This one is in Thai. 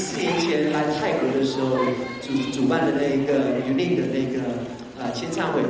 สำคัญยังไม่รู้สึกว่าพอปีนี้สามารถเวลามาไทย